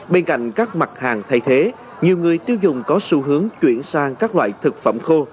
bên cạnh các mặt hàng thay thế nhiều người tiêu dùng có xu hướng chuyển sang các loại thực phẩm khô